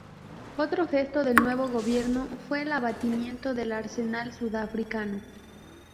Otro gesto del nuevo gobierno fue el abatimiento del arsenal sudafricano.